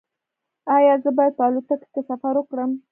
ایا زه باید په الوتکه کې سفر وکړم؟